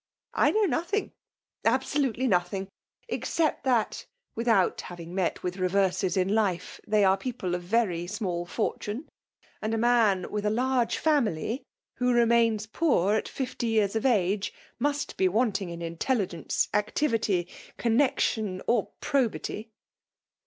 I bmw nothing — absolutely nothing; ex cept that (withont having met with Teverses in life), they arc people of very small fortune; and a man with a. large fimily, vAo lemains 20 FBMALA DOillNATJOK. p^ at fifty years of age^ must be wanting' in intelligence, activity, connexion, or pxobity.